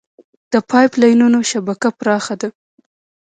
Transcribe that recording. د پایپ لاینونو شبکه پراخه ده.